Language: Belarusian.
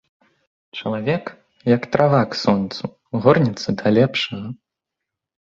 Чалавек, як трава к сонцу, горнецца да лепшага.